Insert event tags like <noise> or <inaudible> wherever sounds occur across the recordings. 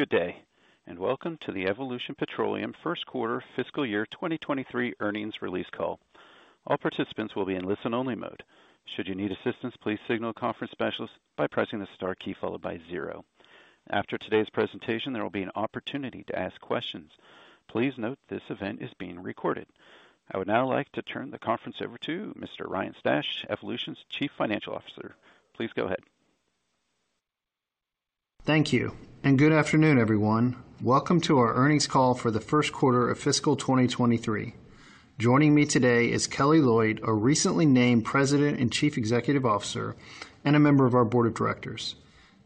Good day, and welcome to the Evolution Petroleum Q1 Fiscal Year 2023 Earnings Release Call. All participants will be in listen-only mode. Should you need assistance, please signal a conference specialist by pressing the star key followed by zero. After today's presentation, there will be an opportunity to ask questions. Please note this event is being recorded. I would now like to turn the conference over to Mr. Ryan Stash, Evolution's Chief Financial Officer. Please go ahead. Thank you, and good afternoon, everyone. Welcome to our earnings call for the Q1 of fiscal 2023. Joining me today is Kelly Loyd, a recently named President and Chief Executive Officer and a member of our board of directors.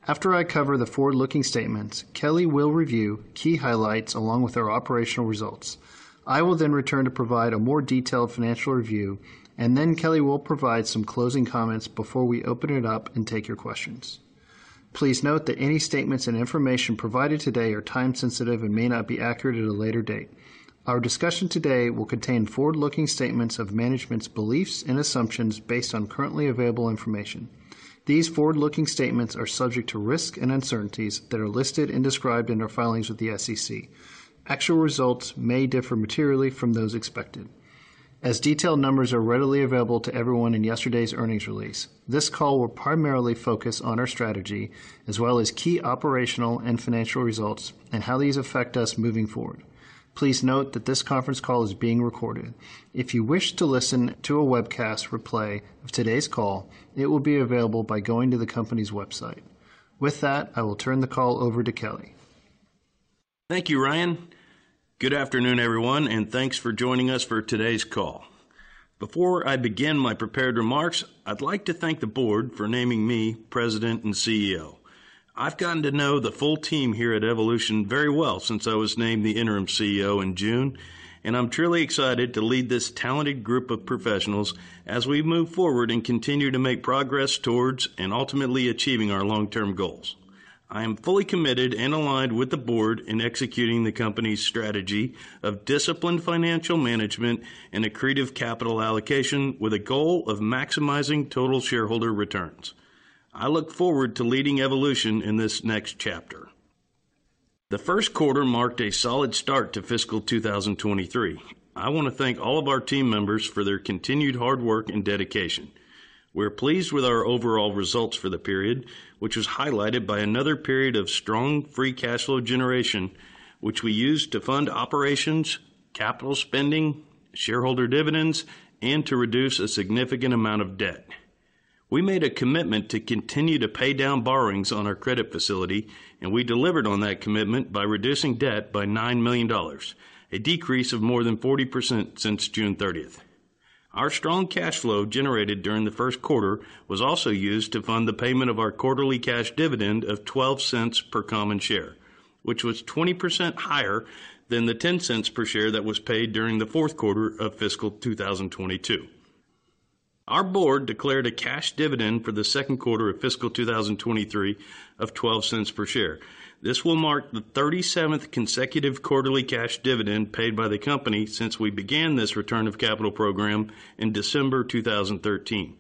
After I cover the forward-looking statements, Kelly will review key highlights along with our operational results. I will then return to provide a more detailed financial review, and then Kelly will provide some closing comments before we open it up and take your questions. Please note that any statements and information provided today are time sensitive and may not be accurate at a later date. Our discussion today will contain forward-looking statements of management's beliefs and assumptions based on currently available information. These forward-looking statements are subject to risks and uncertainties that are listed and described in our filings with the SEC. Actual results may differ materially from those expected. As detailed numbers are readily available to everyone in yesterday's earnings release, this call will primarily focus on our strategy as well as key operational and financial results and how these affect us moving forward. Please note that this conference call is being recorded. If you wish to listen to a webcast replay of today's call, it will be available by going to the company's website. With that, I will turn the call over to Kelly. Thank you, Ryan. Good afternoon, everyone, and thanks for joining us for today's call. Before I begin my prepared remarks, I'd like to thank the board for naming me President and CEO. I've gotten to know the full team here at Evolution very well since I was named the interim CEO in June, and I'm truly excited to lead this talented group of professionals as we move forward and continue to make progress towards and ultimately achieving our long-term goals. I am fully committed and aligned with the board in executing the company's strategy of disciplined financial management and accretive capital allocation with a goal of maximizing total shareholder returns. I look forward to leading Evolution in this next chapter. The Q1 marked a solid start to fiscal 2023. I wanna thank all of our team members for their continued hard work and dedication. We're pleased with our overall results for the period, which was highlighted by another period of strong free cash flow generation, which we used to fund operations, capital spending, shareholder dividends, and to reduce a significant amount of debt. We made a commitment to continue to pay down borrowings on our credit facility, and we delivered on that commitment by reducing debt by $9 million, a decrease of more than 40% since June 13th. Our strong cash flow generated during the Q1 was also used to fund the payment of our quarterly cash dividend of $0.12 per common share, which was 20% higher than the $0.10 per share that was paid during the Q4 of fiscal 2022. Our board declared a cash dividend for the Q2 of fiscal 2023 of $0.12 per share. This will mark the 37th consecutive quarterly cash dividend paid by the company since we began this return of capital program in December 2013.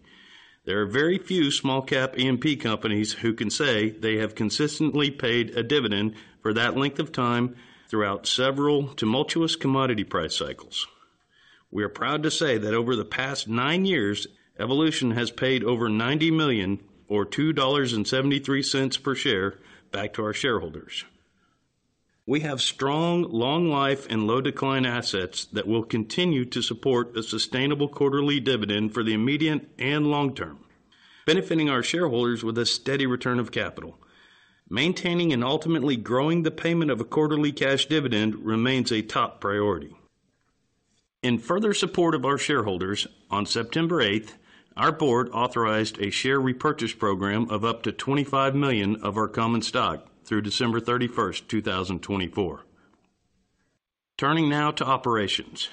There are very few small-cap E&P companies who can say they have consistently paid a dividend for that length of time throughout several tumultuous commodity price cycles. We are proud to say that over the past nine years, Evolution has paid over $90 million or $2.73 per share back to our shareholders. We have strong, long-life, and low-decline assets that will continue to support a sustainable quarterly dividend for the immediate and long term, benefiting our shareholders with a steady return of capital. Maintaining and ultimately growing the payment of a quarterly cash dividend remains a top priority. In further support of our shareholders, on September 8th, our board authorized a share repurchase program of up to 25 million of our common stock through December 31st, 2024. Turning now to operations.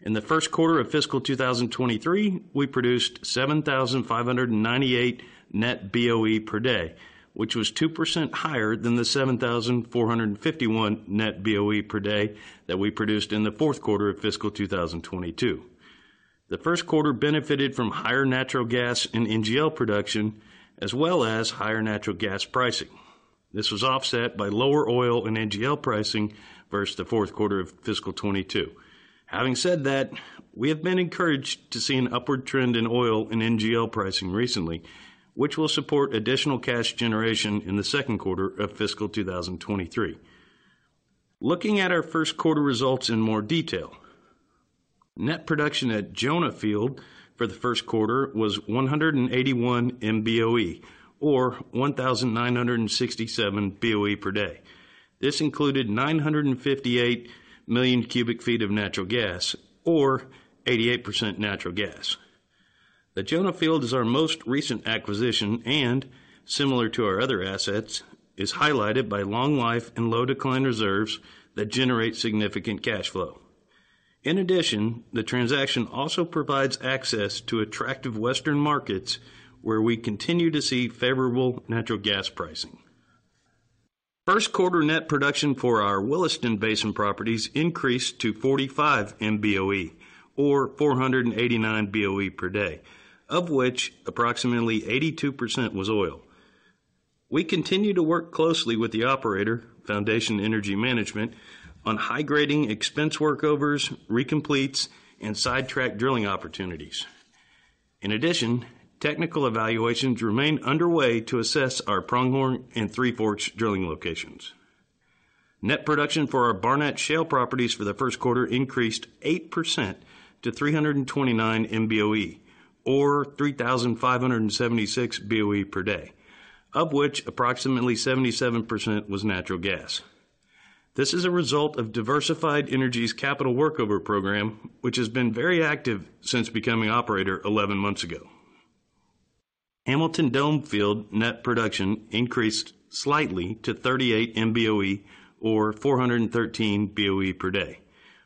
In the Q1 of fiscal 2023, we produced 7,598 net BOE per day, which was 2% higher than the 7,451 net BOE per day that we produced in the Q4 of fiscal 2022. The Q1 benefited from higher natural gas and NGL production as well as higher natural gas pricing. This was offset by lower oil and NGL pricing versus the Q4 of fiscal 2022. Having said that, we have been encouraged to see an upward trend in oil and NGL pricing recently, which will support additional cash generation in the Q2 of fiscal 2023. Looking at our Q1 results in more detail. Net production at Jonah Field for the Q1 was 181 MBOE or 1,967 BOE per day. This included 958 million cubic feet of natural gas or 88% natural gas. The Jonah Field is our most recent acquisition and, similar to our other assets, is highlighted by long life and low decline reserves that generate significant cash flow. In addition, the transaction also provides access to attractive Western markets where we continue to see favorable natural gas pricing. Q1 net production for our Williston Basin properties increased to 45 MBOE or 489 BOE per day, of which approximately 82% was oil. We continue to work closely with the operator, Foundation Energy Management, on high-grading expensive workovers, recompletes, and sidetrack drilling opportunities. In addition, technical evaluations remain underway to assess our Pronghorn and Three Forks drilling locations. Net production for our Barnett Shale properties for the Q1 increased 8% to 329 MBOE, or 3,576 BOE per day, of which approximately 77% was natural gas. This is a result of Diversified Energy's capital workover program, which has been very active since becoming operator 11 months ago. Hamilton Dome Field net production increased slightly to 38 MBOE or 413 BOE per day.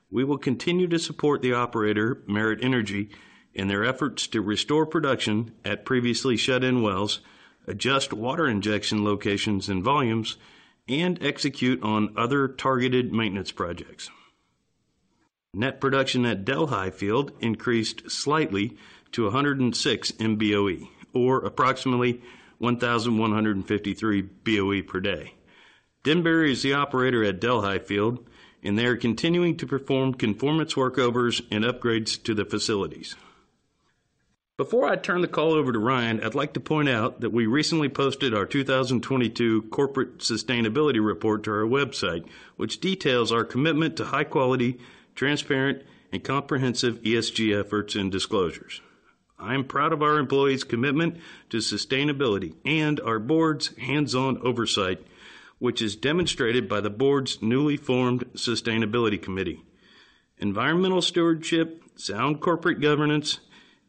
We will continue to support the operator, Merit Energy, in their efforts to restore production at previously shut-in wells, adjust water injection locations and volumes, and execute on other targeted maintenance projects. Net production at Delhi Field increased slightly to 106 MBOE or approximately 1,153 BOE per day. Denbury is the operator at Delhi Field, and they are continuing to perform conformance workovers and upgrades to the facilities. Before I turn the call over to Ryan, I'd like to point out that we recently posted our 2022 Corporate Sustainability Report to our website, which details our commitment to high quality, transparent, and comprehensive ESG efforts and disclosures. I am proud of our employees' commitment to sustainability and our board's hands-on oversight, which is demonstrated by the board's newly formed Sustainability Committee. Environmental stewardship, sound corporate governance,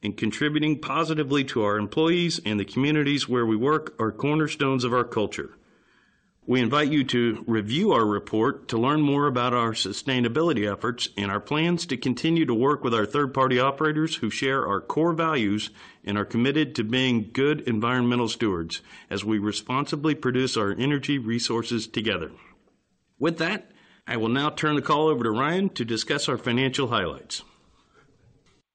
and contributing positively to our employees and the communities where we work are cornerstones of our culture. We invite you to review our report to learn more about our sustainability efforts and our plans to continue to work with our third-party operators who share our core values and are committed to being good environmental stewards as we responsibly produce our energy resources together. With that, I will now turn the call over to Ryan to discuss our financial highlights.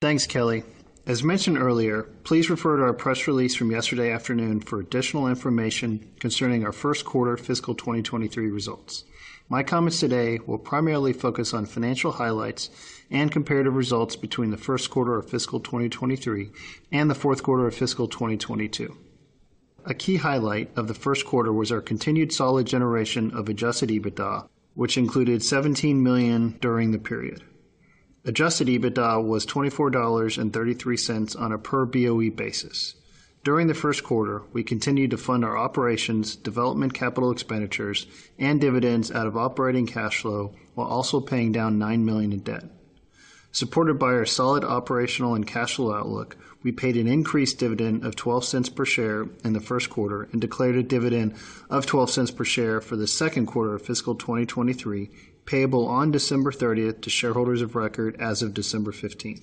Thanks, Kelly. As mentioned earlier, please refer to our press release from yesterday afternoon for additional information concerning our Q1 fiscal 2023 results. My comments today will primarily focus on financial highlights and comparative results between the Q1 of fiscal 2023 and the Q4 of fiscal 2022. A key highlight of the Q1 was our continued solid generation of adjusted EBITDA, which included $17 million during the period. Adjusted EBITDA was $24.33 on a per BOE basis. During the Q1, we continued to fund our operations, development capital expenditures, and dividends out of operating cash flow, while also paying down $9 million in debt. Supported by our solid operational and cash flow outlook, we paid an increased dividend of $0.12 per share in the Q1 and declared a dividend of $0.12 per share for the Q2 of fiscal 2023, payable on December 30th to shareholders of record as of December 15th.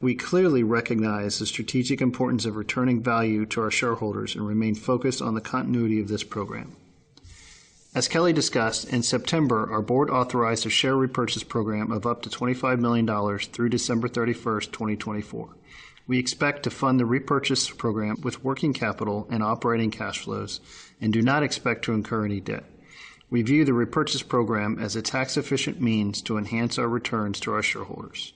We clearly recognize the strategic importance of returning value to our shareholders and remain focused on the continuity of this program. As Kelly discussed, in September, our board authorized a share repurchase program of up to $25 million through December 31st, 2024. We expect to fund the repurchase program with working capital and operating cash flows and do not expect to incur any debt. We view the repurchase program as a tax-efficient means to enhance our returns to our shareholders.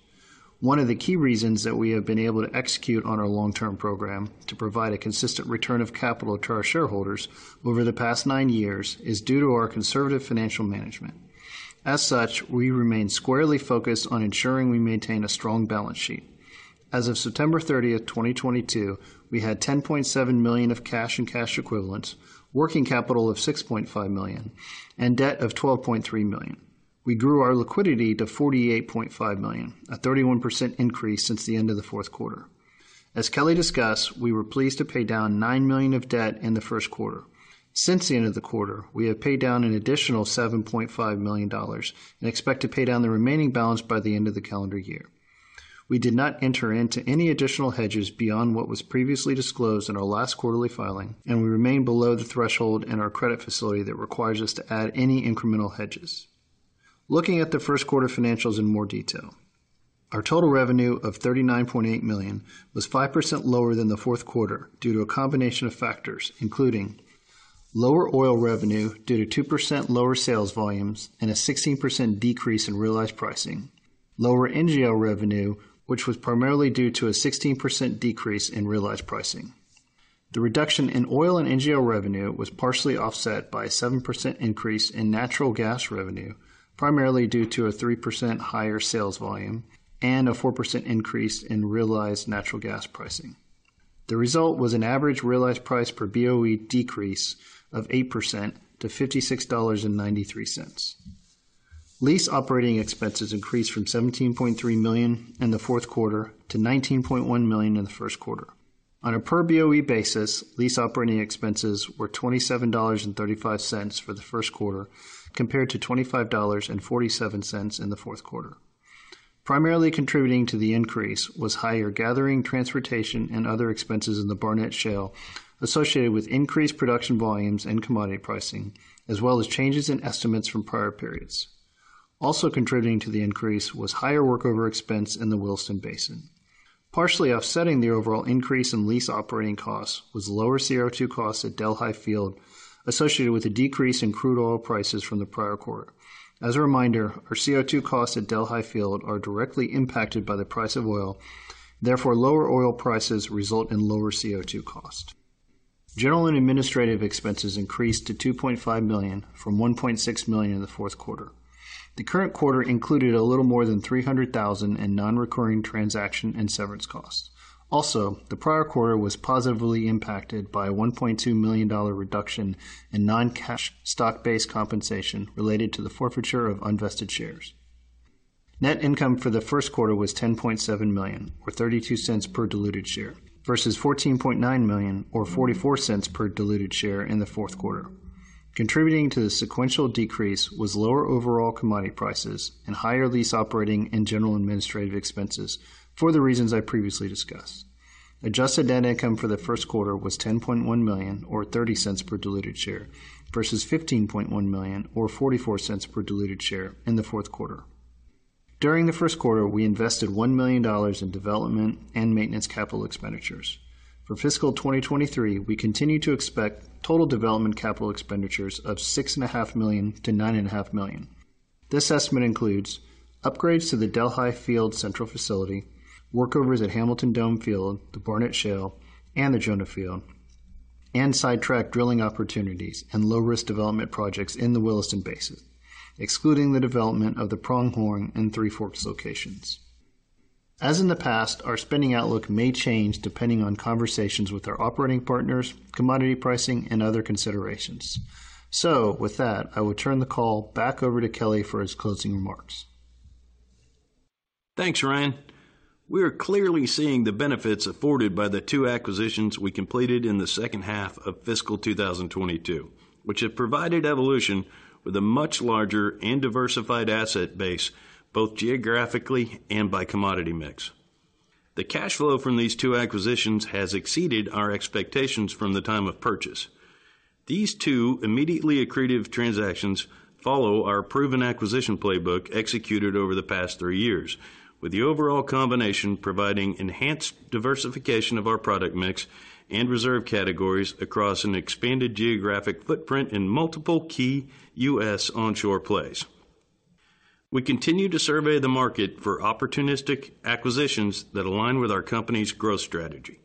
One of the key reasons that we have been able to execute on our long-term program to provide a consistent return of capital to our shareholders over the past nine years is due to our conservative financial management. As such, we remain squarely focused on ensuring we maintain a strong balance sheet. As of September 30th, 2022, we had $10.7 million of cash and cash equivalents, working capital of $6.5 million, and debt of $12.3 million. We grew our liquidity to $48.5 million, a 31% increase since the end of the Q4. As Kelly discussed, we were pleased to pay down $9 million of debt in the Q1. Since the end of the quarter, we have paid down an additional $7.5 million and expect to pay down the remaining balance by the end of the calendar year. We did not enter into any additional hedges beyond what was previously disclosed in our last quarterly filing, and we remain below the threshold in our credit facility that requires us to add any incremental hedges. Looking at the Q1 financials in more detail. Our total revenue of $39.8 million was 5% lower than the Q4 due to a combination of factors, including lower oil revenue due to 2% lower sales volumes and a 16% decrease in realized pricing. Lower NGL revenue, which was primarily due to a 16% decrease in realized pricing. The reduction in oil and NGL revenue was partially offset by a 7% increase in natural gas revenue, primarily due to a 3% higher sales volume and a 4% increase in realized natural gas pricing. The result was an average realized price per BOE decrease of 8% to $56.93. Lease operating expenses increased from $17.3 million in the Q4 to $19.1 million in the Q1. On a per BOE basis, lease operating expenses were $27.35 for the Q1, compared to $25.47 in the Q4. Primarily contributing to the increase was higher gathering, transportation, and other expenses in the Barnett Shale associated with increased production volumes and commodity pricing, as well as changes in estimates from prior periods. Contributing to the increase was higher workover expense in the Williston Basin. Partially offsetting the overall increase in lease operating costs was lower CO2 costs at Delhi Field associated with a decrease in crude oil prices from the prior quarter. As a reminder, our CO2 costs at Delhi Field are directly impacted by the price of oil. Therefore, lower oil prices result in lower CO2 costs. General and administrative expenses increased to $2.5 million from $1.6 million in the Q4. The current quarter included a little more than $300,000 in non-recurring transaction and severance costs. Also, the prior quarter was positively impacted by a $1.2 million reduction in non-cash stock-based compensation related to the forfeiture of unvested shares. Net income for the Q1 was $10.7 million, or $0.32 per diluted share, versus $14.9 million or $0.44 per diluted share in the Q4. Contributing to the sequential decrease was lower overall commodity prices and higher lease operating and general administrative expenses for the reasons I previously discussed. Adjusted net income for the Q1 was $10.1 million or $0.30 per diluted share, versus $15.1 million or $0.44 per diluted share in the Q4. During the Q1, we invested $1 million in development and maintenance capital expenditures. For fiscal 2023, we continue to expect total development capital expenditures of $6.5 million-$9.5 million. This estimate includes upgrades to the Delhi Field Central Facility, workovers at Hamilton Dome Field, the Barnett Shale, and the Jonah Field, and sidetrack drilling opportunities and low-risk development projects in the Williston Basin, excluding the development of the Pronghorn and Three Forks locations. As in the past, our spending outlook may change depending on conversations with our operating partners, commodity pricing, and other considerations. With that, I will turn the call back over to Kelly for his closing remarks. Thanks, Ryan. We are clearly seeing the benefits afforded by the two acquisitions we completed in the second half of fiscal 2022, which have provided Evolution with a much larger and diversified asset base, both geographically and by commodity mix. The cash flow from these two acquisitions has exceeded our expectations from the time of purchase. These two immediately accretive transactions follow our proven acquisition playbook executed over the past three years, with the overall combination providing enhanced diversification of our product mix and reserve categories across an expanded geographic footprint in multiple key U.S. onshore plays. We continue to survey the market for opportunistic acquisitions that align with our company's growth strategy.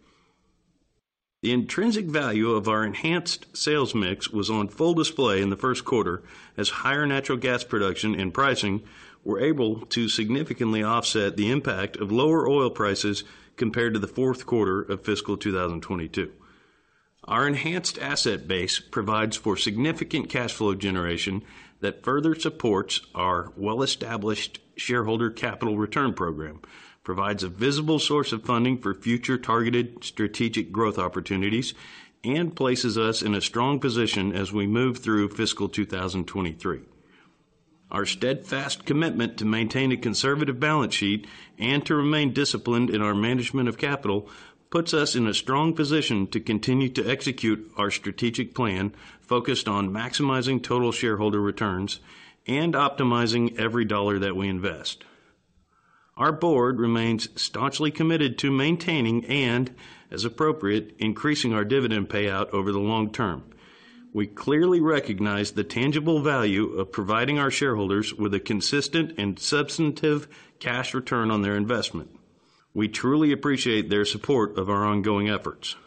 The intrinsic value of our enhanced sales mix was on full display in the Q1 as higher natural gas production and pricing were able to significantly offset the impact of lower oil prices compared to the Q4 of fiscal 2022. Our enhanced asset base provides for significant cash flow generation that further supports our well-established shareholder capital return program, provides a visible source of funding for future targeted strategic growth opportunities, and places us in a strong position as we move through fiscal 2023. Our steadfast commitment to maintain a conservative balance sheet and to remain disciplined in our management of capital puts us in a strong position to continue to execute our strategic plan focused on maximizing total shareholder returns and optimizing every dollar that we invest. Our board remains staunchly committed to maintaining and, as appropriate, increasing our dividend payout over the long term. We clearly recognize the tangible value of providing our shareholders with a consistent and substantive cash return on their investment. We truly appreciate their support of our ongoing efforts.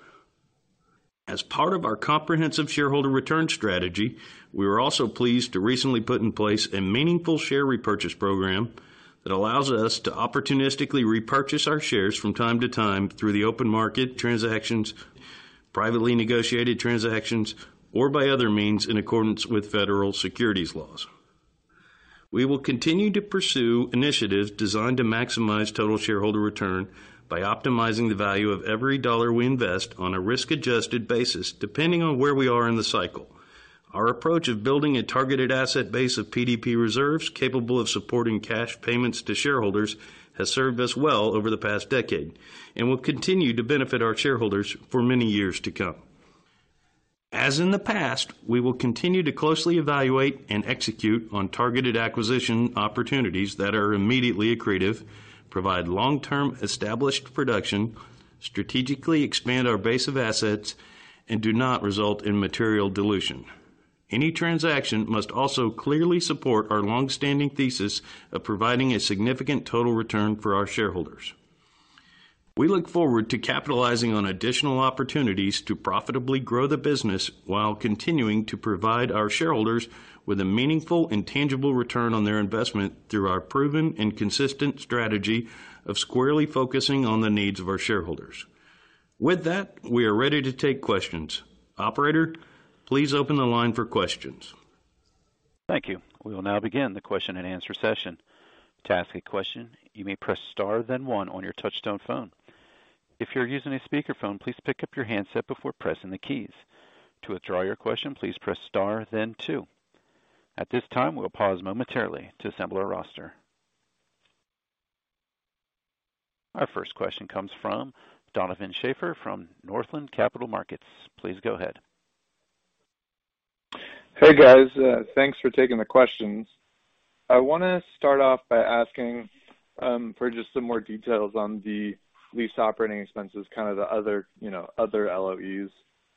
As part of our comprehensive shareholder return strategy, we were also pleased to recently put in place a meaningful share repurchase program that allows us to opportunistically repurchase our shares from time to time through the open market transactions, privately negotiated transactions, or by other means in accordance with federal securities laws. We will continue to pursue initiatives designed to maximize total shareholder return by optimizing the value of every dollar we invest on a risk-adjusted basis, depending on where we are in the cycle. Our approach of building a targeted asset base of PDP reserves capable of supporting cash payments to shareholders has served us well over the past decade and will continue to benefit our shareholders for many years to come. As in the past, we will continue to closely evaluate and execute on targeted acquisition opportunities that are immediately accretive, provide long-term established production, strategically expand our base of assets, and do not result in material dilution. Any transaction must also clearly support our long-standing thesis of providing a significant total return for our shareholders. We look forward to capitalizing on additional opportunities to profitably grow the business while continuing to provide our shareholders with a meaningful and tangible return on their investment through our proven and consistent strategy of squarely focusing on the needs of our shareholders. With that, we are ready to take questions. Operator, please open the line for questions. Thank you. We will now begin the question and answer session. To ask a question, you may press star then one on your touchtone phone. If you're using a speakerphone, please pick up your handset before pressing the keys. To withdraw your question, please press star then two. At this time, we'll pause momentarily to assemble our roster. Our first question comes from Donovan Schafer from Northland Capital Markets. Please go ahead. Hey guys, thanks for taking the questions. I wanna start off by asking for just some more details on the lease operating expenses, kind of the other, you know, other LOEs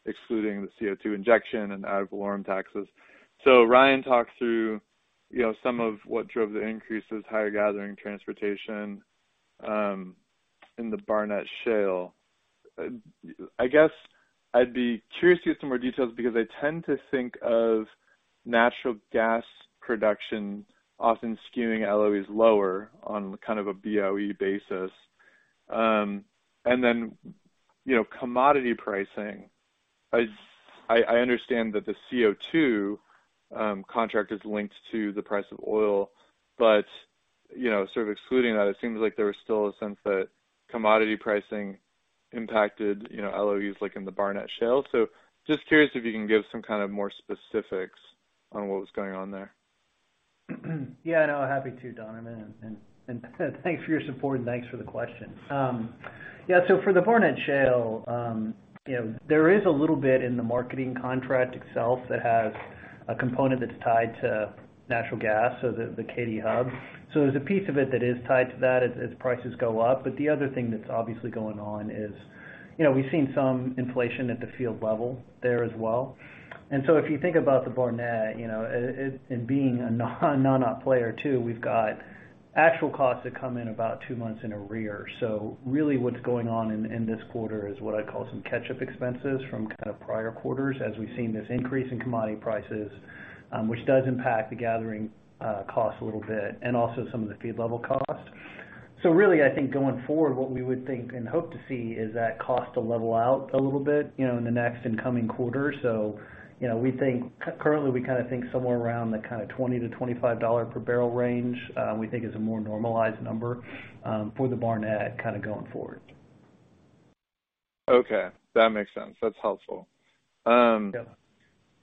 excluding the CO2 injection and ad valorem taxes. Ryan talked through, you know, some of what drove the increases, higher gathering transportation in the Barnett Shale. I guess I'd be curious to get some more details because I tend to think of natural gas production often skewing LOEs lower on kind of a BOE basis. You know, commodity pricing. I understand that the CO2 contract is linked to the price of oil. You know, sort of excluding that, it seems like there was still a sense that commodity pricing impacted, you know, LOEs like in the Barnett Shale. Just curious if you can give some kind of more specifics on what was going on there? Yeah, no, happy to, Donovan, and thanks for your support, and thanks for the question. Yeah, so for the Barnett Shale, you know, there is a little bit in the marketing contract itself that has a component that's tied to natural gas, so the Katy Hub. So there's a piece of it that is tied to that as prices go up, but the other thing that's obviously going on is, you know, we've seen some inflation at the field level there as well. If you think about the Barnett, you know, and being a non-op player too, we've got actual costs that come in about two months in arrears. Really what's going on in this quarter is what I call some catch-up expenses from kind of prior quarters as we've seen this increase in commodity prices, which does impact the gathering costs a little bit, and also some of the field level costs. Really, I think going forward, what we would think and hope to see is that cost to level out a little bit, you know, in the next and coming quarters. You know, currently we kinda think somewhere around the kinda $20-$25 per barrel range, we think is a more normalized number, for the Barnett kinda going forward. Okay. That makes sense. That's helpful. Yeah.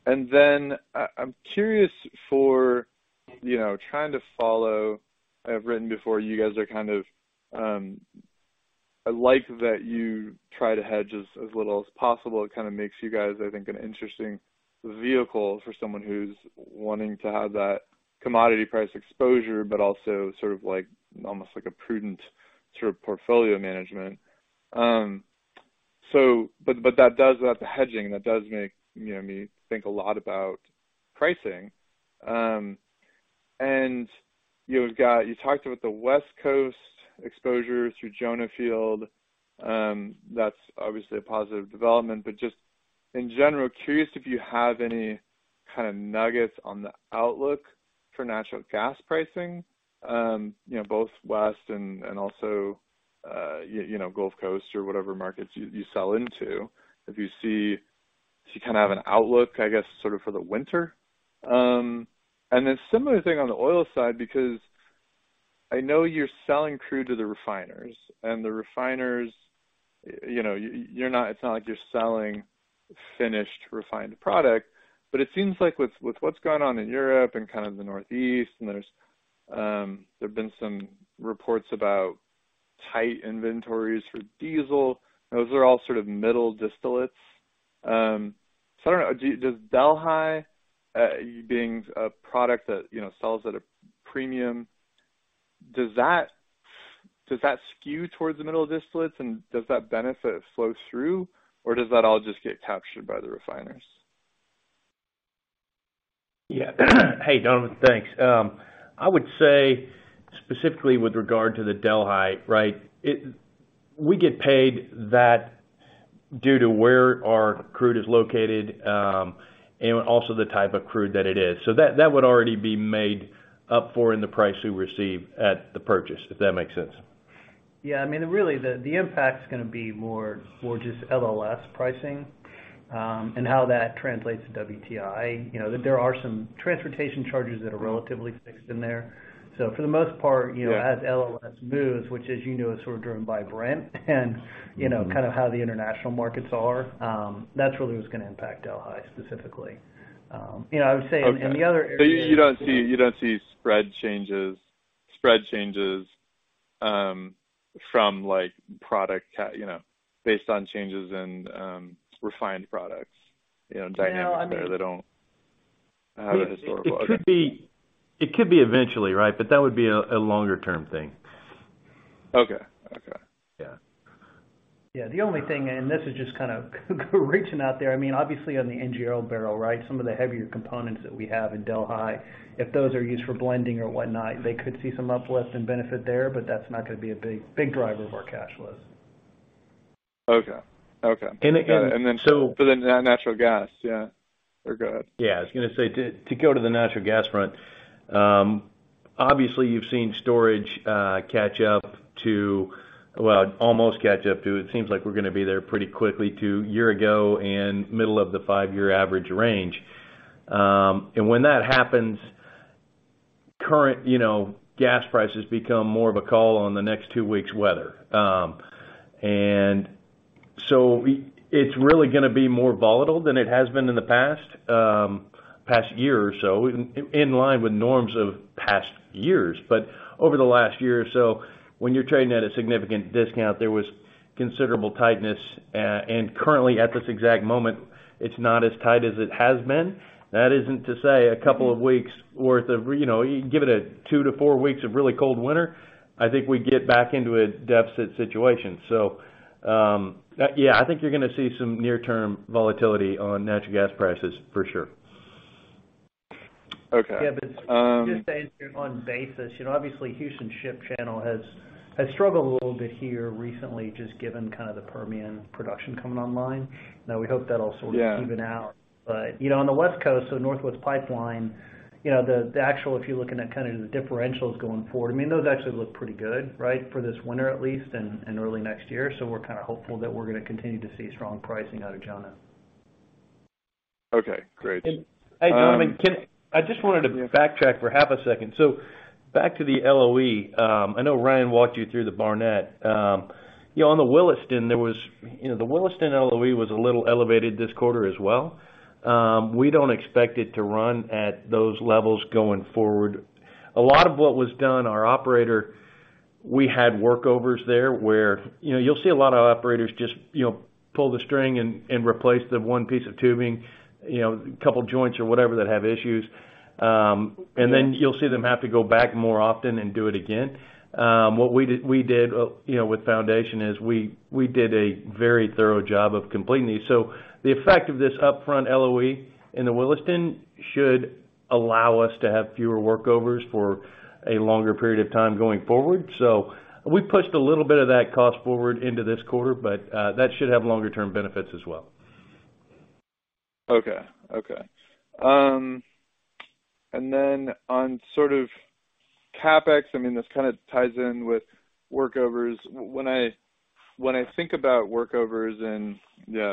I'm curious, for you know, trying to follow. I've written before, you guys are kind of. I like that you try to hedge as little as possible. It kinda makes you guys, I think, an interesting vehicle for someone who's wanting to have that commodity price exposure, but also sort of like almost like a prudent sort of portfolio management. But that does make you know me think a lot about pricing. You talked about the West Coast exposure through Jonah Field. That's obviously a positive development, but just in general, curious if you have any kind of nuggets on the outlook for natural gas pricing, you know, both West and also, you know, Gulf Coast or whatever markets you sell into. If you kinda have an outlook, I guess, sort of for the winter. Then similar thing on the oil side, because I know you're selling crude to the refiners, and the refiners, you know, it's not like you're selling finished refined product. It seems like with what's going on in Europe and kind of the Northeast and there have been some reports about tight inventories for diesel, those are all sort of middle distillates. I don't know. Does Delhi, being a product that, you know, sells at a premium, does that skew towards middle distillates? And does that benefit flow through? Or does that all just get captured by the refiners? Yeah. Hey, Donovan. Thanks. I would say specifically with regard to the Delhi, right? We get paid that due to where our crude is located, and also the type of crude that it is. That would already be made up for in the price we receive at the purchase, if that makes sense. Yeah. I mean, really, the impact's gonna be more for just LLS pricing, and how that translates to WTI. You know, there are some transportation charges that are relatively fixed in there. For the most part, you know, as LLS moves, which as you know is sort of driven by Brent and, you know- Mm-hmm Kind of how the international markets are, that's really what's gonna impact Delhi specifically. You know, I would say in the other area. You don't see spread changes from like product, you know, based on changes in refined products, you know, dynamic there? They don't have a historical... It could be eventually, right? That would be a longer term thing. Okay. Okay. Yeah. Yeah. The only thing, and this is just kind of reaching out there, I mean, obviously on the NGL barrel, right? Some of the heavier components that we have in Delhi, if those are used for blending or whatnot, they could see some uplift and benefit there, but that's not gonna be a big, big driver of our cash flows. Okay. Okay. And, and so for the natural gas, yeah. Go ahead. Yeah, I was gonna say, to go to the natural gas front, obviously you've seen storage catch up to well, almost catch up to. It seems like we're gonna be there pretty quickly to a year ago and middle of the five-year average range. When that happens, current, you know, gas prices become more of a call on the next two weeks weather. It's really gonna be more volatile than it has been in the past year or so, in line with norms of past years. Over the last year or so, when you're trading at a significant discount, there was considerable tightness. Currently at this exact moment, it's not as tight as it has been. That isn't to say a couple of weeks worth of, you know, you give it a two to four weeks of really cold winter, I think we get back into a deficit situation. Yeah, I think you're gonna see some near-term volatility on natural gas prices for sure. Okay. Yeah, just to answer it on basis, you know, obviously, Houston Ship Channel has struggled a little bit here recently, just given kind of the Permian production coming online. Now we hope that'll sort of- Yeah Even out. You know, on the West Coast, so Northwest Pipeline, you know, the actual, if you're looking at kind of the differentials going forward, I mean, those actually look pretty good, right? For this winter at least and early next year. We're kind of hopeful that we're gonna continue to see strong pricing out of Jonah. Okay, great. Hey, Donovan, I just wanted to backtrack for half a second. Back to the LOE. I know Ryan walked you through the Barnett. You know, on the Williston, there was, you know, the Williston LOE was a little elevated this quarter as well. We don't expect it to run at those levels going forward. A lot of what was done, our operator, we had workovers there, where, you know, you'll see a lot of operators just, you know, pull the string and replace the one piece of tubing, you know, a couple joints or whatever that have issues, and then you'll see them have to go back more often and do it again. What we did, you know, with Foundation is we did a very thorough job of completing these. The effect of this upfront LOE in the Williston should allow us to have fewer workovers for a longer period of time going forward. We pushed a little bit of that cost forward into this quarter, but that should have longer term benefits as well. On sort of CapEx, I mean, this kind of ties in with workovers. When I think about workovers in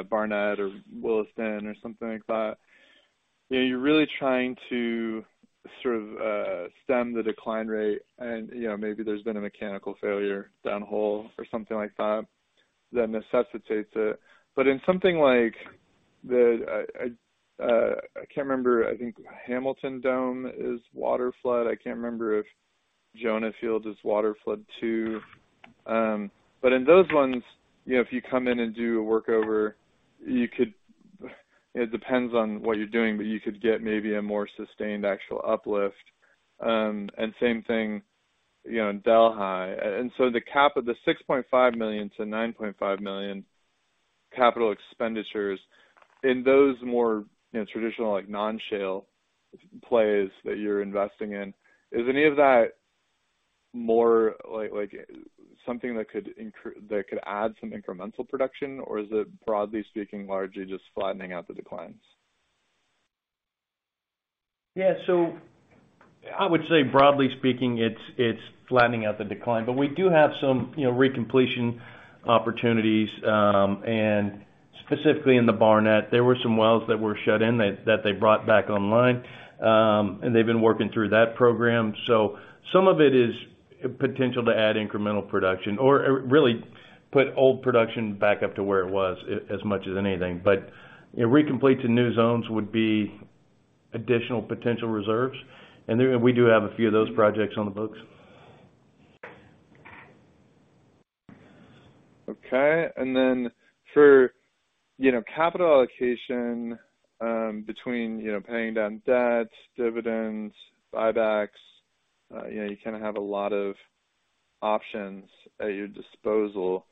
Barnett or Williston or something like that, you know, you're really trying to sort of stem the decline rate and, you know, maybe there's been a mechanical failure down hole or something like that that necessitates it. But in something like the, I can't remember, I think Hamilton Dome is waterflood. I can't remember if Jonah Field is waterflood too. But in those ones, you know, if you come in and do a workover, you could. It depends on what you're doing, but you could get maybe a more sustained actual uplift. Same thing, you know, in Delhi. The cap of the $6.5 million-$9.5 million capital expenditures in those more, you know, traditional like non-shale plays that you're investing in, is any of that more like something that could add some incremental production, or is it, broadly speaking, largely just flattening out the declines? Yeah. I would say, broadly speaking, it's flattening out the decline. We do have some, you know, recompletion opportunities, and specifically in the Barnett, there were some wells that were shut in that they brought back online, and they've been working through that program. Some of it is potential to add incremental production or really put old production back up to where it was as much as anything. You know, recomplete to new zones would be additional potential reserves. Then we do have a few of those projects on the books. Okay. Then for, you know, capital allocation, between, you know, paying down debts, dividends, buybacks, you know, you kinda have a lot of options at your disposal.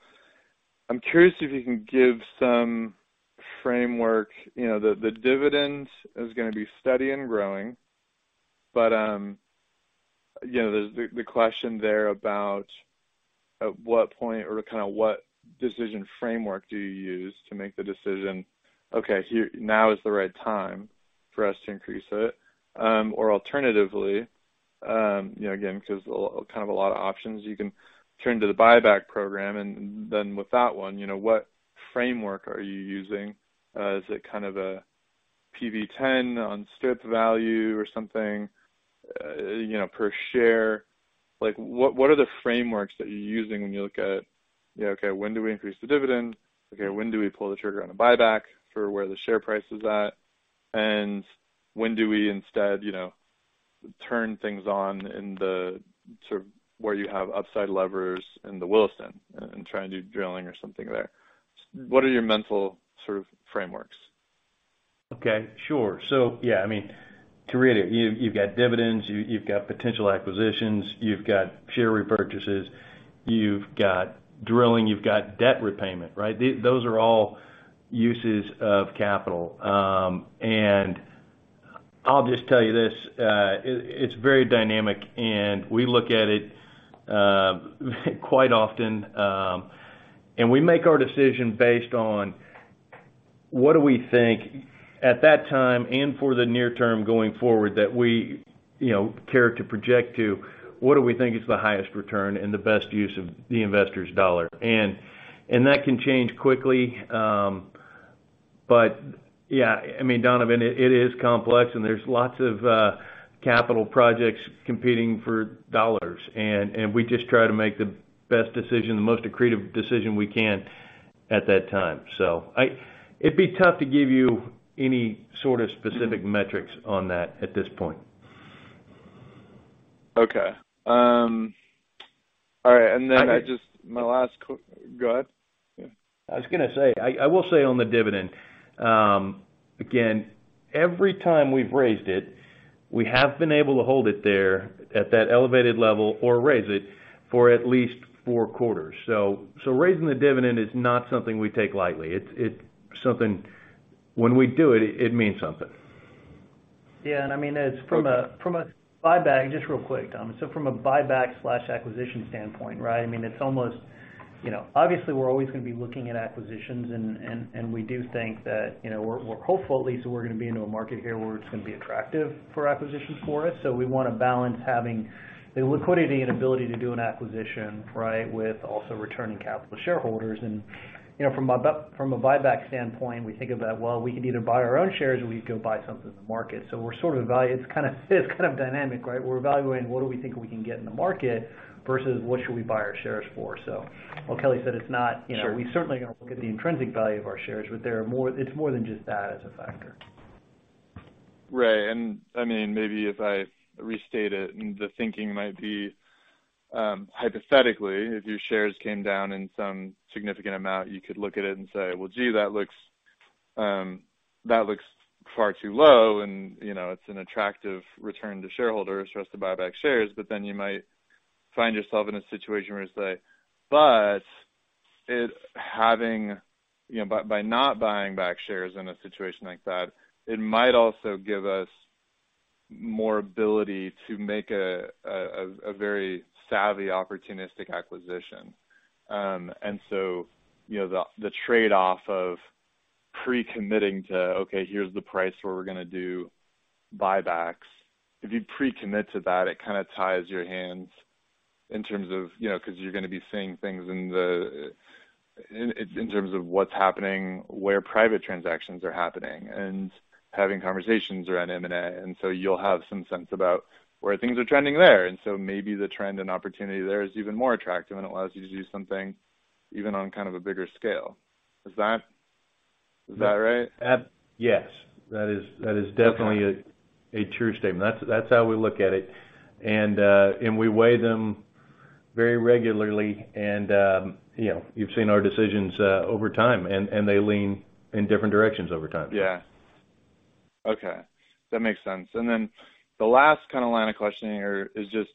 I'm curious if you can give some framework. You know, the dividend is gonna be steady and growing, but, you know, there's the question there about at what point or kind of what decision framework do you use to make the decision, okay, here, now is the right time for us to increase it. Or alternatively, you know, again, because a lot of options, you can turn to the buyback program and then with that one, you know, what framework are you using? Is it kind of a PV-10 on strip value or something, you know, per share? Like, what are the frameworks that you're using when you look at, you know, okay, when do we increase the dividend? Okay, when do we pull the trigger on a buyback for where the share price is at? And when do we instead, you know, turn things on in the sort of where you have upside levers in the Williston and try and do drilling or something there? What are your mental sort of frameworks? Okay, sure. Yeah, I mean, to read it, you've got dividends, you've got potential acquisitions, you've got share repurchases, you've got drilling, you've got debt repayment, right? Those are all uses of capital. I'll just tell you this, it's very dynamic, and we look at it quite often, and we make our decision based on what we think at that time and for the near term going forward that we care to project to, what we think is the highest return and the best use of the investor's dollar. That can change quickly. Yeah, I mean, Donovan, it is complex and there's lots of capital projects competing for dollars, and we just try to make the best decision, the most accretive decision we can at that time. I'd be tough to give you any sort of specific metrics on that at this point. Okay. All right. Go ahead. I was gonna say, I will say on the dividend, again, every time we've raised it, we have been able to hold it there at that elevated level or raise it for at least four quarters. Raising the dividend is not something we take lightly. It's something when we do it means something. Yeah. I mean, it's from a buyback. Just real quick, Donovan. From a buyback/acquisition standpoint, right? I mean, it's almost, you know, obviously we're always gonna be looking at acquisitions and we do think that, you know, we're hopeful at least that we're gonna be into a market here where it's gonna be attractive for acquisitions for us. We wanna balance having the liquidity and ability to do an acquisition, right? With also returning capital to shareholders. You know, from a buyback standpoint, we think about, well, we could either buy our own shares or we could go buy something in the market. We're sort of evaluating. It's kind of dynamic, right? We're evaluating what do we think we can get in the market versus what should we buy our shares for. While Kelly said it's not, you know. Sure. We're certainly gonna look at the intrinsic value of our shares, but it's more than just that as a factor. Right. I mean, maybe if I restate it, the thinking might be, hypothetically, if your shares came down in some significant amount, you could look at it and say, Well, gee, that looks far too low, and, you know, it's an attractive return to shareholders for us to buy back shares. But then you might find yourself in a situation where it's like, you know, by not buying back shares in a situation like that, it might also give us more ability to make a very savvy opportunistic acquisition. You know, the trade-off of pre-committing to, okay, here's the price where we're gonna do buybacks. If you pre-commit to that, it kinda ties your hands in terms of, you know, 'cause you're gonna be seeing things in terms of what's happening, where private transactions are happening, and having conversations around M&A, and so you'll have some sense about where things are trending there. Maybe the trend and opportunity there is even more attractive, and it allows you to do something even on kind of a bigger scale. Is that right? Yes. That is definitely a true statement. That's how we look at it. We weigh them very regularly and, you know, you've seen our decisions over time, and they lean in different directions over time. Yeah. Okay. That makes sense. The last kinda line of questioning here is just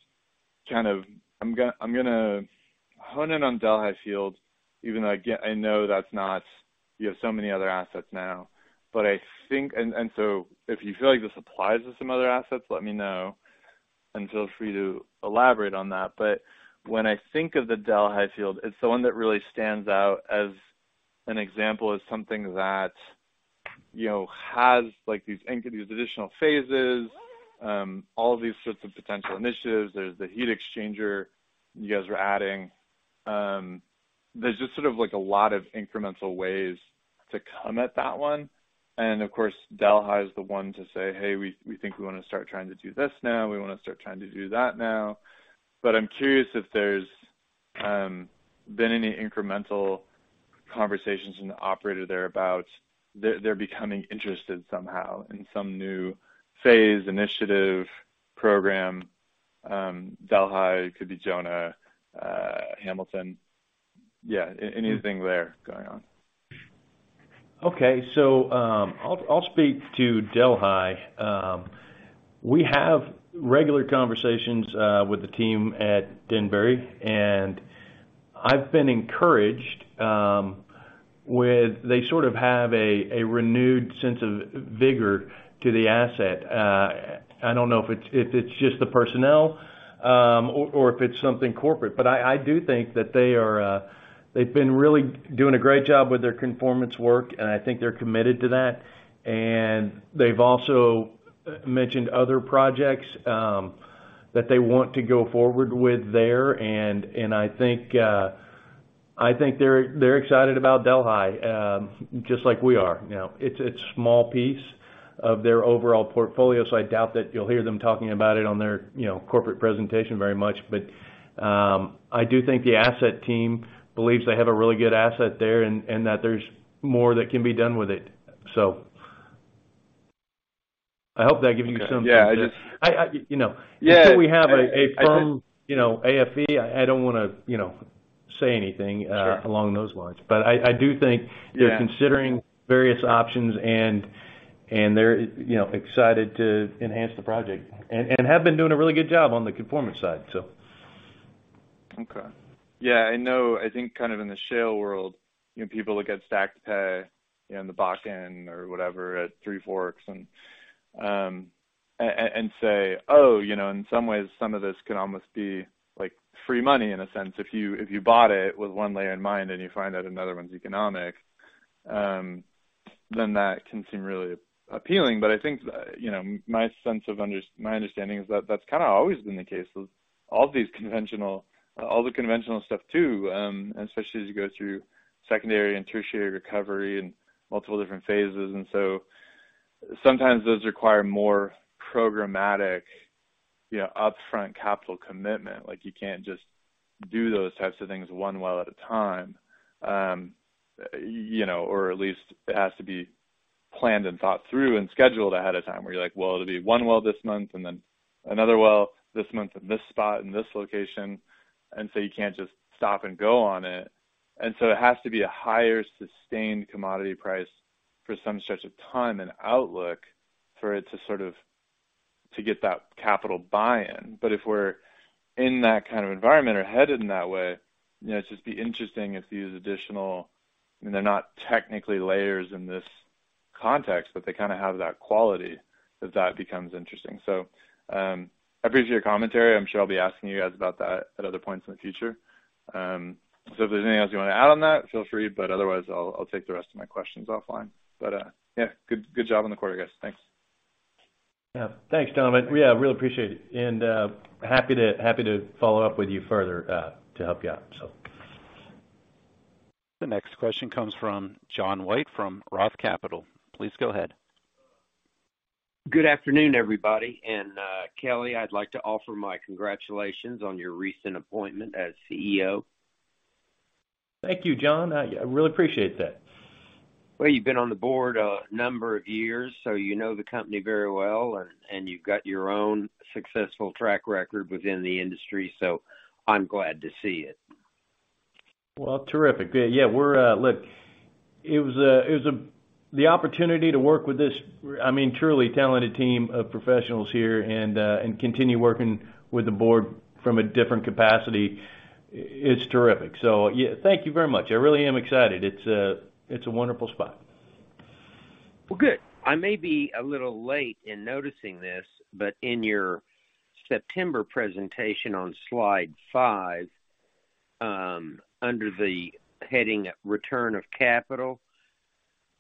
kind of. I'm gonna hone in on Delhi Field, even though again I know that's not. You have so many other assets now. I think. If you feel like this applies to some other assets, let me know, and feel free to elaborate on that. When I think of the Delhi Field, it's the one that really stands out as an example of something that, you know, has like these entities, additional phases, all of these sorts of potential initiatives. There's the heat exchanger you guys are adding. There's just sort of like a lot of incremental ways to come at that one. Of course, Delhi is the one to say, Hey, we think we wanna start trying to do this now. We wanna start trying to do that now. I'm curious if there's been any incremental conversations with the operator there about their becoming interested somehow in some new phase, initiative, program, Delhi, it could be Jonah, Hamilton? Yeah, anything there going on? Okay. I'll speak to Delhi. We have regular conversations with the team at Denbury, and I've been encouraged. They sort of have a renewed sense of vigor to the asset. I don't know if it's just the personnel or if it's something corporate, but I do think that they are. They've been really doing a great job with their conformance work, and I think they're committed to that. They've also mentioned other projects that they want to go forward with there. I think they're excited about Delhi just like we are. You know, it's a small piece of their overall portfolio, so I doubt that you'll hear them talking about it on their, you know, corporate presentation very much. I do think the asset team believes they have a really good asset there and that there's more that can be done with it. I hope that gives you some Okay. Yeah. I, you know. Yeah. Until we have a firm, you know, <inaudible> I don't wanna, you know, say anything. Sure Along those lines. I do think. Yeah They're considering various options and they're, you know, excited to enhance the project and have been doing a really good job on the conformance side, so. Okay. Yeah, I know, I think kind of in the shale world, you know, people look at Stacked Pay, you know, in the Bakken or whatever at Three Forks and say, Oh, you know, in some ways, some of this can almost be like free money in a sense. If you, if you bought it with one layer in mind and you find out another one's economic, then that can seem really appealing. I think, you know, my understanding is that that's kinda always been the case with all these conventional, all the conventional stuff too, and especially as you go through secondary and tertiary recovery and multiple different phases. Sometimes those require more programmatic, you know, upfront capital commitment. Like, you can't just do those types of things one well at a time. You know, or at least it has to be planned and thought through and scheduled ahead of time, where you're like, well, it'll be one well this month and then another well this month in this spot, in this location. You can't just stop and go on it. It has to be a higher sustained commodity price for some stretch of time and outlook for it to sort of get that capital buy-in. If we're in that kind of environment or headed in that way, you know, it'd just be interesting if these additional. I mean, they're not technically layers in this context, but they kinda have that quality that becomes interesting. I appreciate your commentary. I'm sure I'll be asking you guys about that at other points in the future. If there's anything else you wanna add on that, feel free, but otherwise, I'll take the rest of my questions offline. Yeah, good job on the quarter, guys. Thanks. Yeah. Thanks, Donovan. Yeah, really appreciate it. Happy to follow up with you further, to help you out, so. The next question comes from John White from Roth Capital Partners. Please go ahead. Good afternoon, everybody. Kelly, I'd like to offer my congratulations on your recent appointment as CEO. Thank you, John. I really appreciate that. Well, you've been on the board a number of years, so you know the company very well. You've got your own successful track record within the industry, so I'm glad to see it. Well, terrific. The opportunity to work with this, I mean, truly talented team of professionals here and continue working with the board from a different capacity, it's terrific. Yeah, thank you very much. I really am excited. It's a wonderful spot. Well, good. I may be a little late in noticing this, but in your September presentation on slide five, under the heading Return of Capital,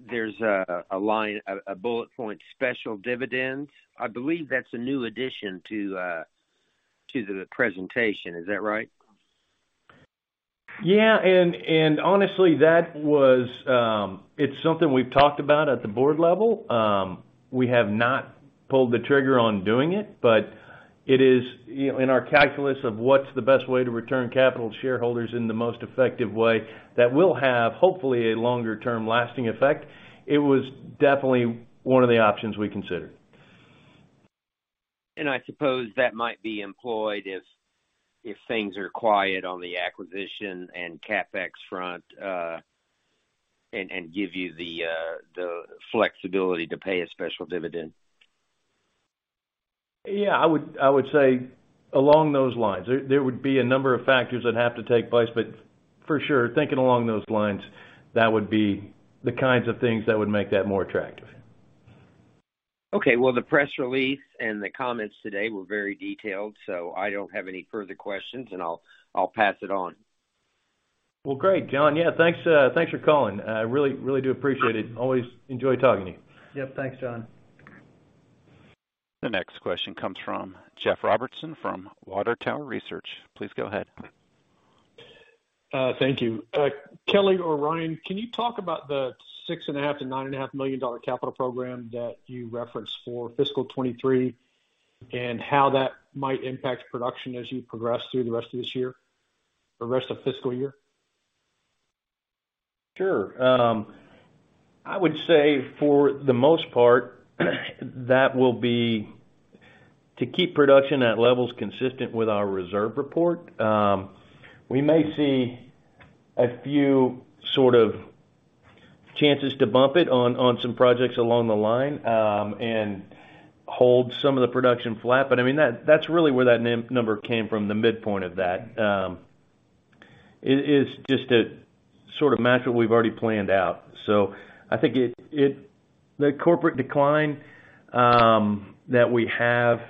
there's a line, a bullet point, special dividends. I believe that's a new addition to the presentation. Is that right? Yeah. Honestly, it's something we've talked about at the board level. We have not pulled the trigger on doing it, but it is in our calculus of what's the best way to return capital to shareholders in the most effective way that will have, hopefully, a longer-term lasting effect. It was definitely one of the options we considered. I suppose that might be employed if things are quiet on the acquisition and CapEx front and give you the flexibility to pay a special dividend? Yeah, I would say along those lines. There would be a number of factors that have to take place. For sure, thinking along those lines, that would be the kinds of things that would make that more attractive. Okay. Well, the press release and the comments today were very detailed, so I don't have any further questions, and I'll pass it on. Well, great, John. Yeah, thanks for calling. I really do appreciate it. Always enjoy talking to you. Yep. Thanks, John. The next question comes from Jeff Robertson from Water Tower Research. Please go ahead. Thank you. Kelly or Ryan, can you talk about the $6.5 million-$9.5 million capital program that you referenced for fiscal 2023, and how that might impact production as you progress through the rest of this year or rest of fiscal year? Sure. I would say for the most part, that will be to keep production at levels consistent with our reserve report. We may see a few sort of chances to bump it on some projects along the line, and hold some of the production flat. I mean, that's really where that number came from, the midpoint of that. It is just to sort of match what we've already planned out. I think it. The corporate decline that we have,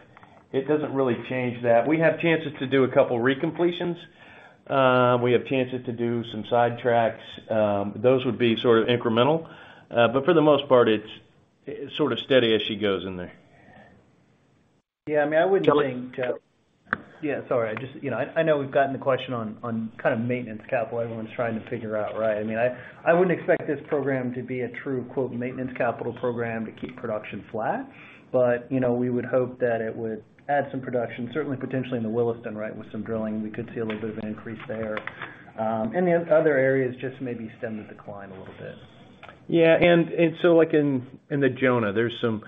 it doesn't really change that. We have chances to do a couple recompletions. We have chances to do some sidetracks. Those would be sort of incremental. For the most part, it's sort of steady as she goes in there. Yeah, I mean, I wouldn't think. Kelly. Yeah, sorry. I just. You know, I know we've gotten the question on kind of maintenance capital everyone's trying to figure out, right? I mean, I wouldn't expect this program to be a true, quote, "maintenance capital program" to keep production flat. You know, we would hope that it would add some production, certainly potentially in the Williston, right? With some drilling, we could see a little bit of an increase there. The other areas just maybe stem the decline a little bit. Yeah. Like in the Jonah, there's some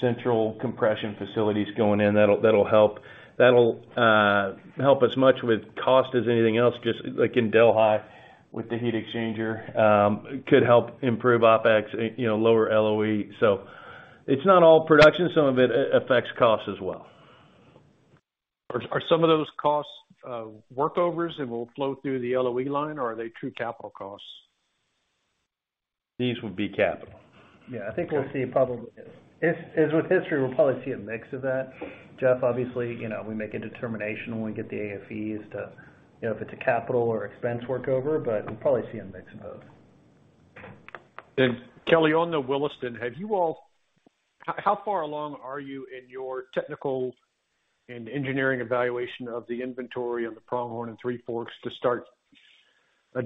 central compression facilities going in that'll help. That'll help us much with cost as anything else, just like in Delhi with the heat exchanger could help improve OpEx, you know, lower LOE. It's not all production. Some of it affects cost as well. Are some of those costs workovers and will flow through the LOE line, or are they true capital costs? These would be capital. Yeah. I think we'll see probably as with history, we'll probably see a mix of that. Jeff, obviously, you know, we make a determination when we get the AFEs to, you know, if it's a capital or expense workover, but we'll probably see a mix of both. Kelly, on the Williston, how far along are you in your technical and engineering evaluation of the inventory on the Pronghorn and Three Forks to start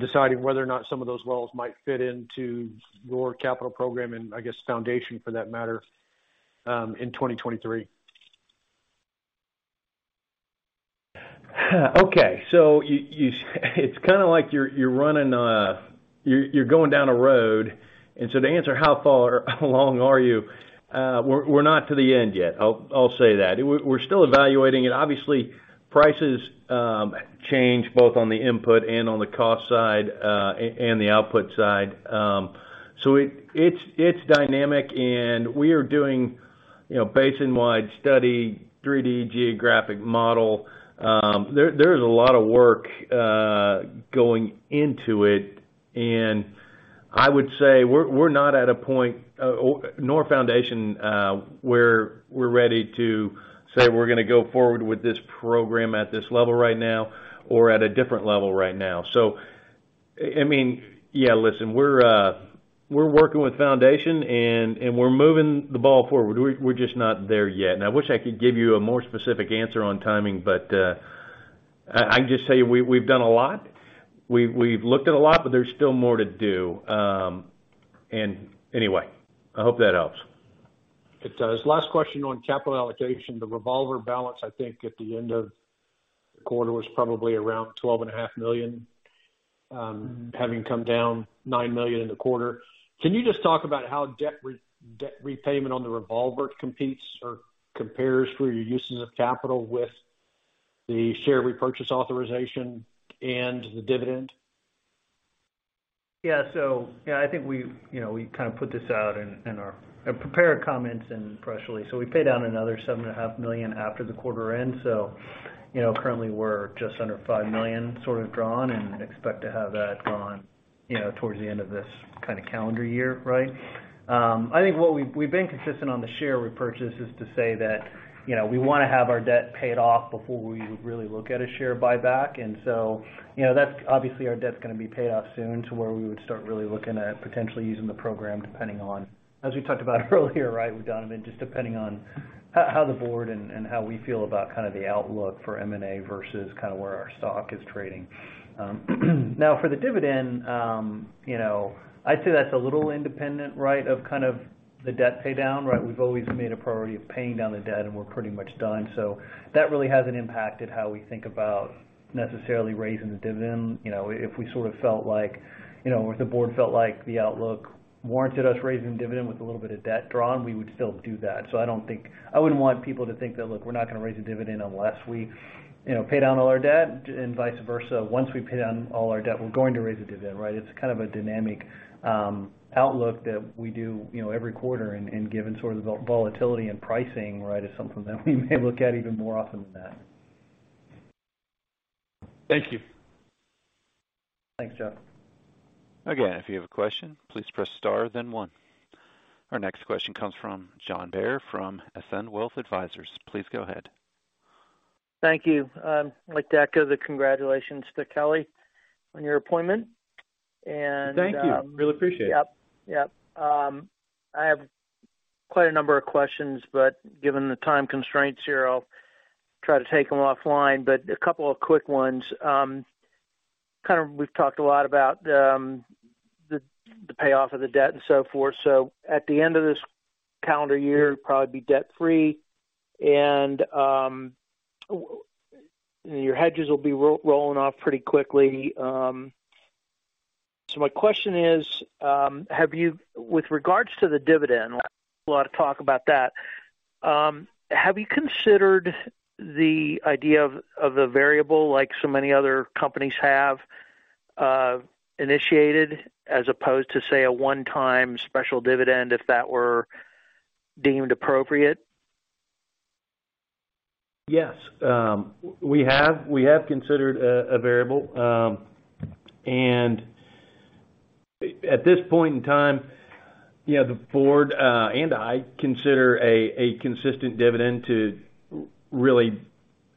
deciding whether or not some of those wells might fit into your capital program, and I guess Foundation for that matter, in 2023? Okay. It's kinda like you're going down a road. To answer how far along are you, we're not to the end yet. I'll say that. We're still evaluating. Obviously, prices change both on the input and on the cost side, and the output side. It's dynamic, and we are doing, you know, basin-wide study, 3-D geographic model. There is a lot of work going into it. I would say we're not at a point, or nor Foundation, where we're ready to say we're gonna go forward with this program at this level right now or at a different level right now. I mean, yeah, listen, we're working with Foundation and we're moving the ball forward. We're just not there yet. I wish I could give you a more specific answer on timing, but I can just say we've done a lot. We've looked at a lot, but there's still more to do. And anyway, I hope that helps. It does. Last question on capital allocation. The revolver balance, I think, at the end of the quarter was probably around $12.5 million, having come down $9 million in the quarter. Can you just talk about how debt repayment on the revolver competes or compares for your uses of capital with the share repurchase authorization and the dividend? Yeah, I think we, you know, we kind of put this out in our prepared comments and press release. We paid down another $7.5 million after the quarter end. Currently we're just under $5 million sort of drawn and expect to have that drawn, you know, towards the end of this kind of calendar year, right? I think what we've been consistent on the share repurchase is to say that, you know, we wanna have our debt paid off before we really look at a share buyback. You know, that's obviously our debt's gonna be paid off soon to where we would start really looking at potentially using the program, depending on, as we talked about earlier, right, with Donovan, just depending on how the board and how we feel about kind of the outlook for M&A versus kind of where our stock is trading. Now, for the dividend, you know, I'd say that's a little independent, right, of kind of the debt pay down, right? We've always made a priority of paying down the debt, and we're pretty much done. That really hasn't impacted how we think about necessarily raising the dividend. You know, if we sort of felt like, you know, or if the board felt like the outlook warranted us raising the dividend with a little bit of debt drawn, we would still do that. I don't think I wouldn't want people to think that, look, we're not gonna raise a dividend unless we, you know, pay down all our debt, and vice versa. Once we pay down all our debt, we're going to raise a dividend, right? It's kind of a dynamic outlook that we do, you know, every quarter and given sort of the volatility in pricing, right, is something that we may look at even more often than that. Thank you. Thanks, Jeff. Again, if you have a question, please press star then one. Our next question comes from John Bair from Ascend Wealth Advisors. Please go ahead. Thank you. I'd like to echo the congratulations to Kelly on your appointment. Thank you. Really appreciate it. I have quite a number of questions, but given the time constraints here, I'll try to take them offline. A couple of quick ones. Kind of, we've talked a lot about the payoff of the debt and so forth. At the end of this calendar year, it'll probably be debt-free and your hedges will be rolling off pretty quickly. My question is, with regards to the dividend, a lot of talk about that. Have you considered the idea of the variable like so many other companies have initiated as opposed to, say, a one-time special dividend if that were deemed appropriate? Yes. We have considered a variable. At this point in time, you know, the board and I consider a consistent dividend to really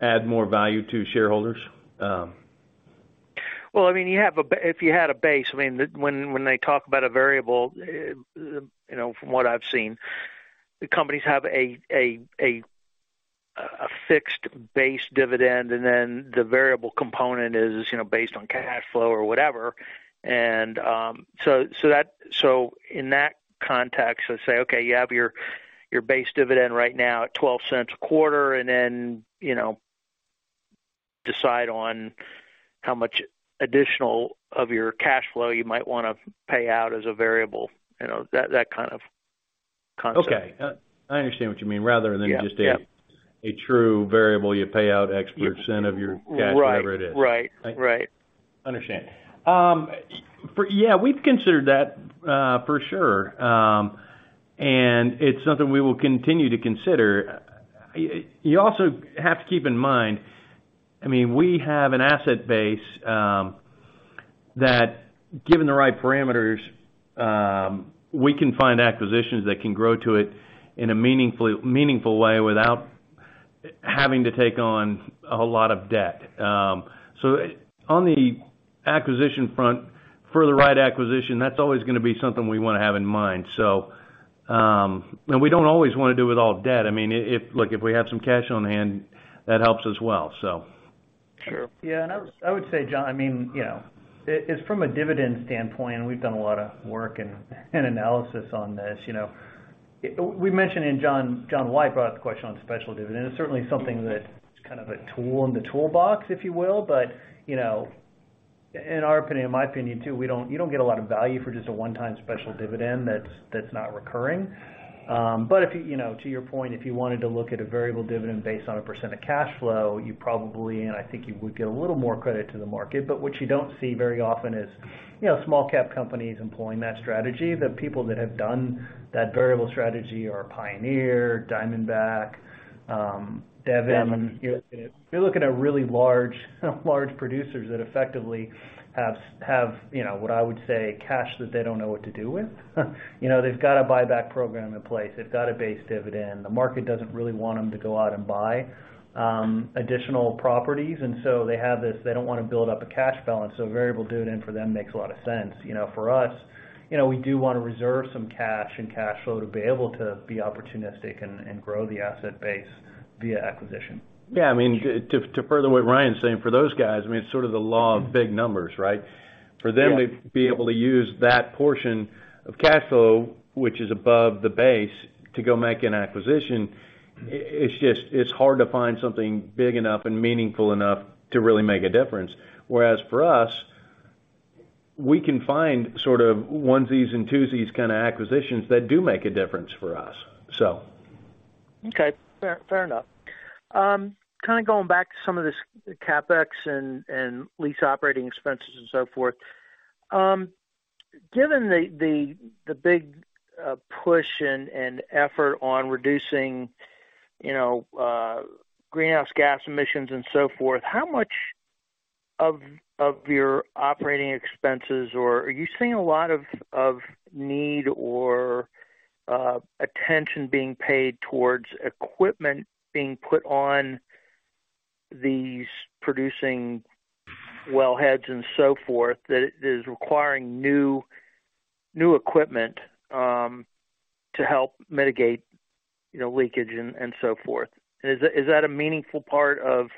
add more value to shareholders. Well, I mean, you have a if you had a base, I mean, when they talk about a variable, you know, from what I've seen, the companies have a fixed base dividend, and then the variable component is, you know, based on cash flow or whatever. So in that context, let's say, okay, you have your base dividend right now at $0.12 a quarter, and then, you know, decide on how much additional of your cash flow you might wanna pay out as a variable? you know, that kind of concept. Okay. I understand what you mean. Yeah. Just a true variable, you pay out X% of your cash, whatever it is. Right. Right. Right. Understood. Yeah, we've considered that for sure. It's something we will continue to consider. You also have to keep in mind, I mean, we have an asset base that given the right parameters, we can find acquisitions that can grow to it in a meaningful way without having to take on a lot of debt. On the acquisition front, for the right acquisition, that's always gonna be something we wanna have in mind. We don't always wanna do it with all debt. I mean, look, if we have some cash on hand, that helps as well, so. Sure. Yeah. I would say, John, I mean, you know, it's from a dividend standpoint. We've done a lot of work and analysis on this, you know. We mentioned, and John White brought up the question on special dividend. It's certainly something that is kind of a tool in the toolbox, if you will. You know, in our opinion, in my opinion too, you don't get a lot of value for just a one-time special dividend that's not recurring. If, you know, to your point, if you wanted to look at a variable dividend based on a percent of cash flow, you probably, and I think you would get a little more credit to the market. But what you don't see very often is, you know, small-cap companies employing that strategy. The people that have done that variable strategy are Pioneer, Diamondback, Devon. You're looking at really large producers that effectively have, you know, what I would say, cash that they don't know what to do with. You know, they've got a buyback program in place. They've got a base dividend. The market doesn't really want them to go out and buy additional properties. They have this, they don't wanna build up a cash balance, so a variable dividend for them makes a lot of sense. You know, for us, you know, we do wanna reserve some cash and cash flow to be able to be opportunistic and grow the asset base via acquisition. Yeah, I mean, to further what Ryan's saying, for those guys, I mean, it's sort of the law of big numbers, right? Yeah. For them to be able to use that portion of cash flow, which is above the base, to go make an acquisition, it's just, it's hard to find something big enough and meaningful enough to really make a difference. Whereas for us, we can find sort of onesies and twosies kinda acquisitions that do make a difference for us, so. Okay. Fair enough. Kinda going back to some of this CapEx and lease operating expenses and so forth. Given the big push and effort on reducing, you know, greenhouse gas emissions and so forth, how much of your operating expenses or are you seeing a lot of need or attention being paid towards equipment being put on these producing well heads and so forth, that it is requiring new equipment to help mitigate, you know, leakage and so forth? Is that a meaningful part of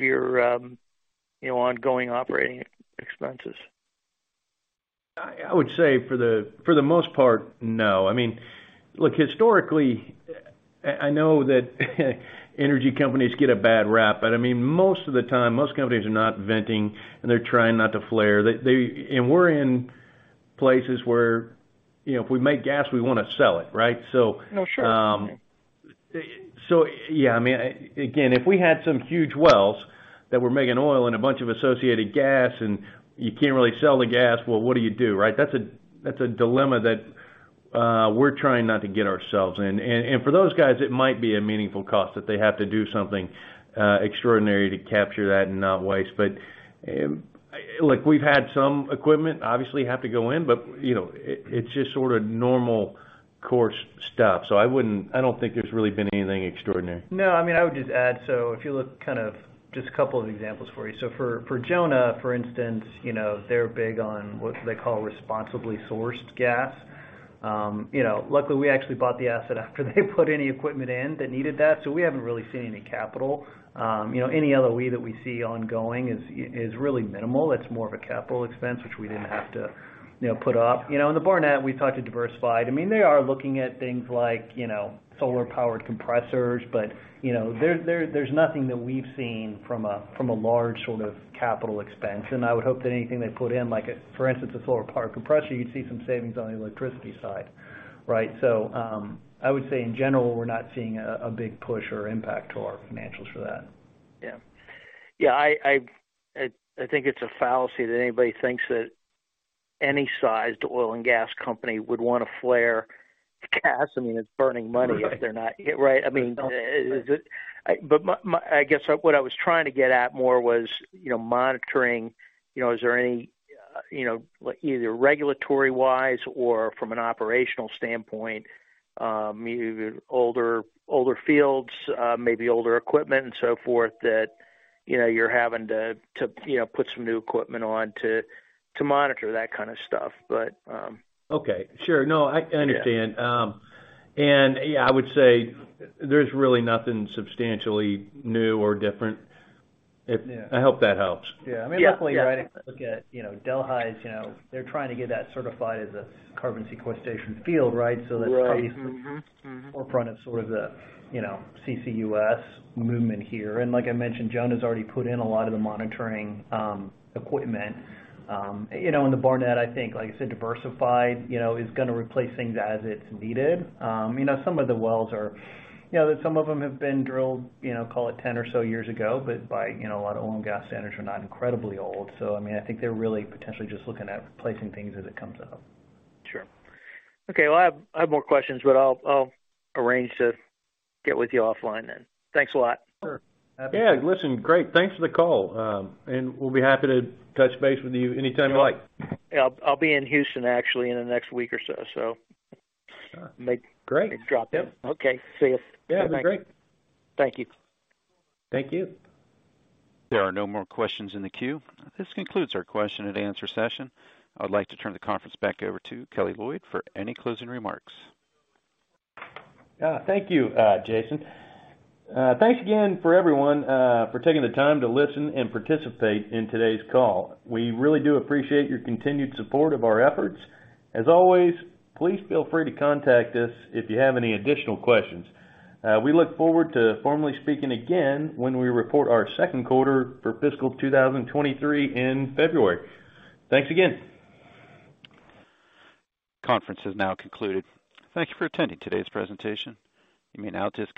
your, you know, ongoing operating expenses? I would say for the most part, no. I mean, look, historically, I know that energy companies get a bad rap, but I mean, most of the time, most companies are not venting, and they're trying not to flare. We're in places where, you know, if we make gas, we wanna sell it, right? Oh, sure. Yeah, I mean, again, if we had some huge wells that were making oil and a bunch of associated gas, and you can't really sell the gas, well, what do you do, right? That's a dilemma that we're trying not to get ourselves in. For those guys, it might be a meaningful cost that they have to do something extraordinary to capture that and not waste. Look, we've had some equipment obviously have to go in, but you know, it's just sorta normal course stuff. I don't think there's really been anything extraordinary. No, I mean, I would just add, so if you look kind of just a couple of examples for you. For Jonah, for instance, you know, they're big on what they call responsibly sourced gas. You know, luckily, we actually bought the asset after they put any equipment in that needed that, so we haven't really seen any capital. You know, any LOE that we see ongoing is really minimal. It's more of a capital expense, which we didn't have to, you know, put up. You know, in the Barnett, we talked to Diversified. I mean, they are looking at things like, you know, solar powered compressors, but, you know, there's nothing that we've seen from a large sort of capital expense. I would hope that anything they put in, like a, for instance, a solar powered compressor, you'd see some savings on the electricity side, right? I would say in general, we're not seeing a big push or impact to our financials for that. Yeah, I think it's a fallacy that anybody thinks that any sized oil and gas company would wanna flare gas. I mean, it's burning money if they're not. Right. Right? I mean, but my I guess what I was trying to get at more was, you know, monitoring, you know, is there any, you know, either regulatory-wise or from an operational standpoint, maybe older fields, maybe older equipment and so forth, that, you know, you're having to, you know, put some new equipment on to monitor that kind of stuff, but. Okay, sure. No, I understand. Yeah, I would say there's really nothing substantially new or different. Yeah. I hope that helps. Yeah. Yeah. I mean, luckily, right, look at, you know, Delhi Field, you know, they're trying to get that certified as a carbon sequestration field, right? Right. Mm-hmm. Mm-hmm. That's probably forefront of sort of the, you know, CCUS movement here. Like I mentioned, Jonah's already put in a lot of the monitoring equipment. You know, in the Barnett, I think, like you said, Diversified, you know, is gonna replace things as it's needed. You know, some of the wells are, you know, some of them have been drilled, you know, call it 10 or so years ago, but by, you know, a lot of oil and gas standards are not incredibly old. I mean, I think they're really potentially just looking at replacing things as it comes up. Sure. Okay, well, I have more questions, but I'll arrange to get with you offline then. Thanks a lot. Sure. Yeah, listen, great. Thanks for the call. We'll be happy to touch base with you anytime you like. Yeah, I'll be in Houston actually in the next week or so. Sure. Great. May drop in. Okay. See you. Yeah. Be great. Thank you. Thank you. There are no more questions in the queue. This concludes our question and answer session. I would like to turn the conference back over to Kelly Loyd for any closing remarks. Thank you, Jason. Thanks again for everyone for taking the time to listen and participate in today's call. We really do appreciate your continued support of our efforts. As always, please feel free to contact us if you have any additional questions. We look forward to formally speaking again when we report our Q2 for fiscal 2023 in February. Thanks again. Conference is now concluded. Thank you for attending today's presentation. You may now disconnect.